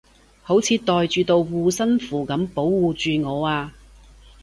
好似袋住道護身符噉保護住我啊